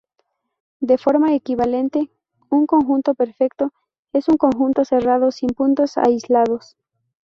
De forma equivalente, un conjunto perfecto es un conjunto cerrado sin puntos aislados.